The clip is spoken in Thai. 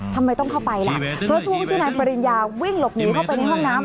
ทำไมต้องเข้าไปล่ะเพราะช่วงที่นายปริญญาวิ่งหลบหนีเข้าไปในห้องน้ำ